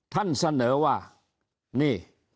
ท่านเสนอว่านี่